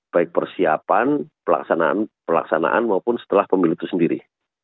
baik persiapan pelaksanaan maupun setelah pemilu itu sendiri